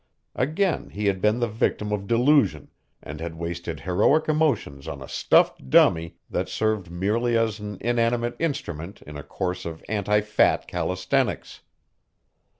Again he had been the victim of delusion and had wasted heroic emotions on a stuffed dummy that served merely as an inanimate instrument in a course of anti fat calisthenics.